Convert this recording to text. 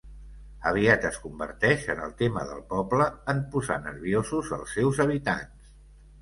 Aviat es converteix en el tema del poble en posar nerviosos els seus habitants.